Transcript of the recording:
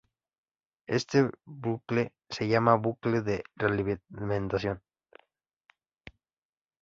Este bucle se llama "bucle de realimentación".